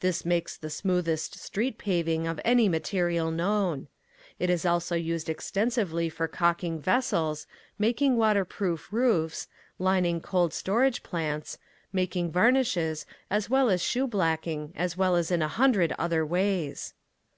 This makes the smoothest street paving of any material known. It is also used extensively for calking vessels, making waterproof roofs, lining cold storage plants, making varnishes as well as shoe blacking as well as in a hundred other ways.